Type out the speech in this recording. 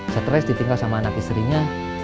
stres ditinggal sama anak istrinya